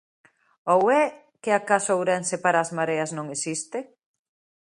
¿Ou é que acaso Ourense para as Mareas non existe?